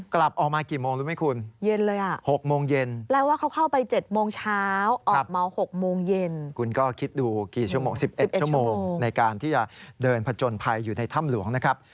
กี่ชั่วโมง๑๑ชั่วโมงในการที่จะเดินผจญภัยอยู่ในถ้ำหลวงนะครับ